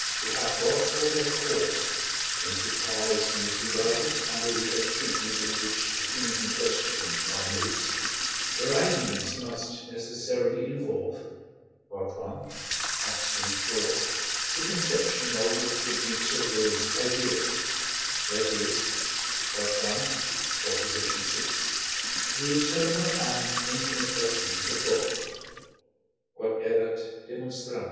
they have God for their cause, in so far as he is regarded under the attribute of which the things in question are modes, their ideas must necessarily involve (I. Ax. iv.) the conception of the attributes of those ideas that is (I. vi.), the eternal and infinite essence of God. Q.E.D.